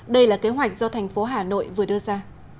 đây là kế hoạch do thành phố hà nội vừa đưa ra